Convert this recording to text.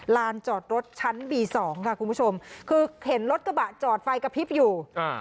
ลานจอดรถชั้นบีสองค่ะคุณผู้ชมคือเห็นรถกระบะจอดไฟกระพริบอยู่อ่า